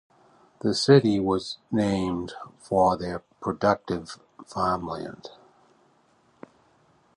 The city was named from their productive farmland.